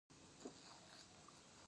ډیلي په ژمي کې ډیر لوګی لري.